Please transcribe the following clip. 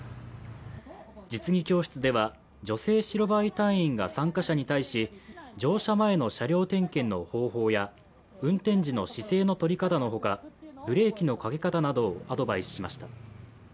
実技教室では、女性白バイ隊員が参加者に対し、乗車前の車両点検の方法や運転時の姿勢の取り方のほか、ブレーキのかけ方などをアドバイスしました。